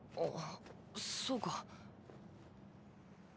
あそうか。